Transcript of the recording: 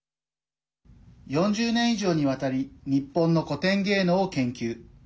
４０年以上にわたり日本の古典芸能を研究。